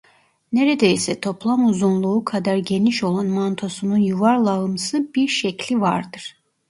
Neredeyse toplam uzunluğu kadar geniş olan mantosunun yuvarlağımsı bir şekli vardır.